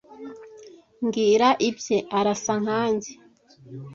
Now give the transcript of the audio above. "Mbwira ibye. Arasa nkanjye?"